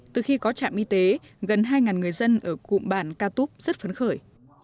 từ khi có trạm y tế gần hai người dân ở cụm bản catup rất phấn khởi